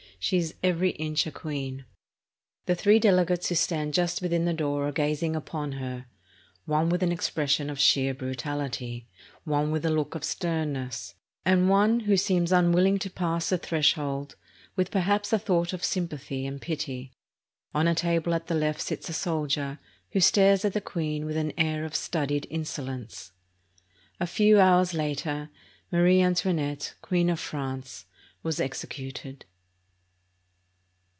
She is every inch a queen. The three delegates who stand just within the door are gazing upon her, one with an expression of sheer brutality, one with a look of sternness, and one, who seems unwilling to pass the threshold, with perhaps a thought of sympathy and pity. On a table at the left sits a soldier, who stares at the queen with an air of studied insolence. A few hours later, Marie Antoinette, Queen of France, was executed.